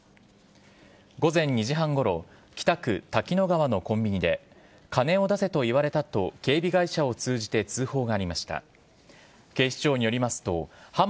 午前２時半ごろ、北区滝野川のコンビニで金を出せと言われたと、警備会社を通じて通報がありました。